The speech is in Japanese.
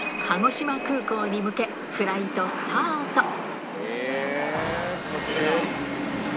鹿児島空港に向け、フライトスタート。